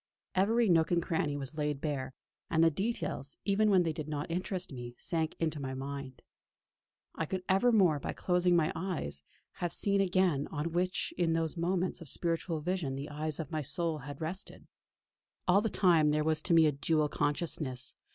Every nook and cranny was laid bare; and the details, even when they did not interest me, sank into my mind. I could evermore, by closing my eyes, have seen again anything on which in those moments of spiritual vision the eyes of my soul had rested. All the time there was to me a dual consciousness.